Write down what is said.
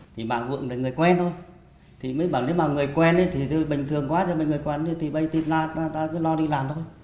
thì bà vượng là người quen thôi thì mới bảo nếu mà người quen thì bình thường quá người quen thì bây giờ ta cứ lo đi làm thôi